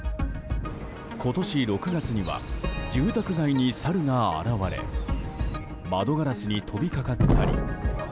今年６月には住宅街にサルが現れ窓ガラスに飛びかかったり。